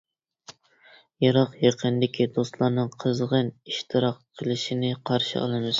يىراق-يېقىندىكى دوستلارنىڭ قىزغىن ئىشتىراك قىلىشىنى قارشى ئالىمىز.